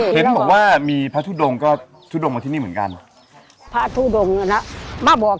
เห็นบอกว่ามีภาพธุดงค์มาที่นี่เหมือนกันภาพธุดงค์เนี้ยมาบอก